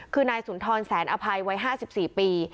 คือนายสุนทรแสนอภัยวัย๕๔ปี